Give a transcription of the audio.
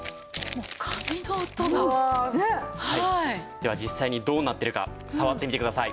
では実際にどうなってるか触ってみてください。